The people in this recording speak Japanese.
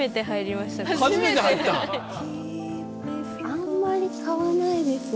あんまり買わないですね